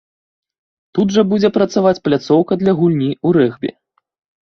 Тут жа будзе працаваць пляцоўка для гульні ў рэгбі.